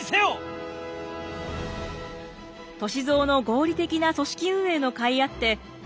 歳三の合理的な組織運営のかいあって新選組は大躍進。